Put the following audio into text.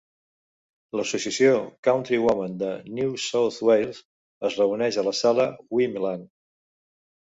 L'Associació Country Women de New South Wales es reuneix a la sala Weemelah.